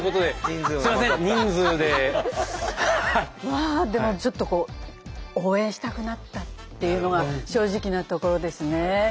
まあでもちょっとこう応援したくなったっていうのが正直なところですね。